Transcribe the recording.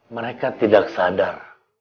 mereka tidak sadar